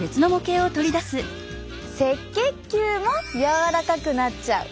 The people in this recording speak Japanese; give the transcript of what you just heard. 赤血球も柔らかくなっちゃう。